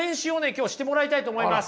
今日はしてもらいたいと思います。